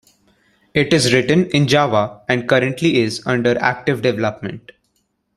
It is written in Java and currently is under active development.